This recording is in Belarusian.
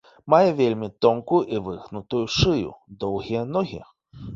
Мае вельмі тонкую і выгнутую шыю, доўгія ногі.